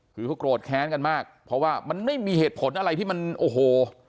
คือเขาโกรธแค้นกันมากเพราะว่ามันไม่มีเหตุผลอะไรที่มันโอ้โห